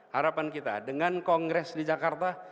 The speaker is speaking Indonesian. harapan kita dengan kongres di jakarta